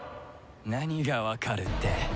何がわかるって？